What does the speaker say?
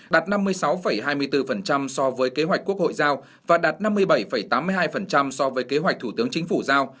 đạt năm mươi sáu hai mươi bốn so với kế hoạch quốc hội giao và đạt năm mươi bảy tám mươi hai so với kế hoạch thủ tướng chính phủ giao